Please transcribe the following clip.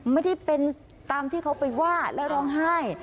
ไม่ได้เป็นตามที่เขาไปว่าและร้องไห้